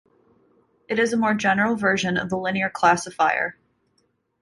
It is a more general version of the linear classifier.